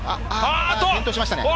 転倒しましたね。